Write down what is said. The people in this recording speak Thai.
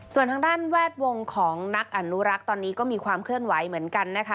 ส่วนทางด้านแวดวงของนักอนุรักษ์ตอนนี้ก็มีความเคลื่อนไหวเหมือนกันนะคะ